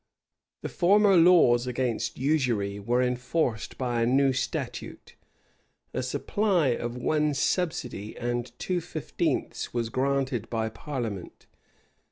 [*] The former laws against usury were enforced by a new statute.[] A supply of one subsidy and two fifteenths was granted by parliament.